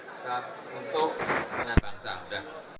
asal untuk kepentingan negara asal untuk penyelidikan bangsa